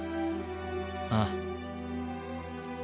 ああ。